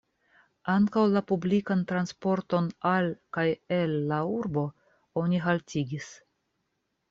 Ankaŭ la publikan transporton al kaj el la urbo oni haltigis.